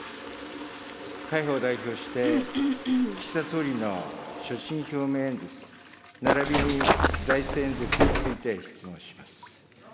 会派を代表して、岸田総理の所信表明演説、ならびに財政演説について質問します。